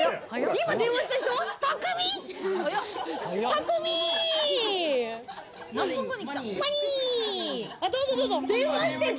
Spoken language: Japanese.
今電話した人？